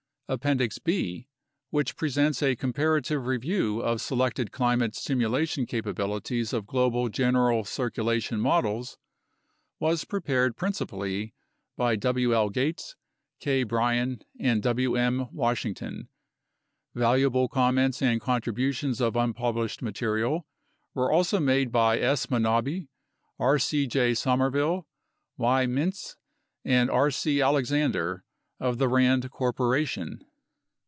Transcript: Appendix B, which presents a comparative review of selected climate simulation capabilities of global general circulation models, was prepared principally by W. L. Gates, K. Bryan, and W. M. Washington. Valuable comments and contributions of unpublished material were also made by S. Manabe, R. C. J. Somerville, Y. Mintz, and R. C. Alexander of The Rand Corporation.